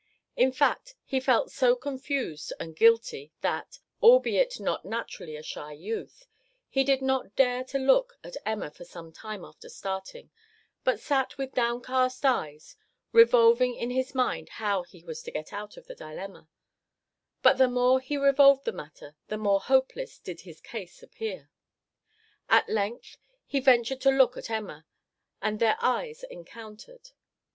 In fact he felt so confused and guilty that albeit not naturally a shy youth he did not dare to look at Emma for some time after starting, but sat with downcast eyes, revolving in his mind how he was to get out of the dilemma; but the more he revolved the matter the more hopeless did his case appear. At length he ventured to look at Emma, and their eyes encountered.